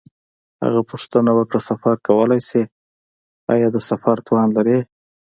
هغه پوښتنه وکړه: سفر کولای شې؟ آیا د سفر توان لرې؟